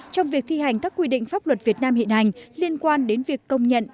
trong việc thi hành các quy định pháp luật việt nam hiện hành liên quan đến việc công nhận